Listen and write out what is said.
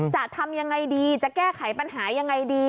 จะทำยังไงดีจะแก้ไขปัญหายังไงดี